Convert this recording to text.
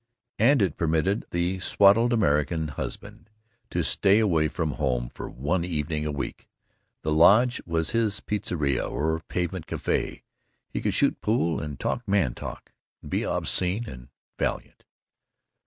And it permitted the swaddled American husband to stay away from home for one evening a week. The lodge was his piazza, his pavement café. He could shoot pool and talk man talk and be obscene and valiant.